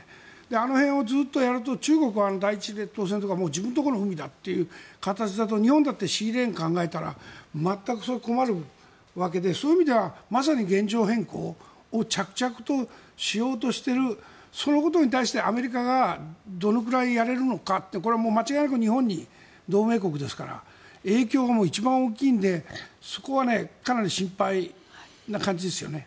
あの辺をずっとやると中国は第一列島線とかもう自分のところの海だという形で日本だってシーレーンを考えたら全くそれは困るわけでそういう意味ではまさに現状変更を着々としようとしているそのことに対してアメリカがどのぐらいやれるのかってこれは間違いなく日本に同盟国ですから影響が一番大きいのでそこはかなり心配な感じですよね。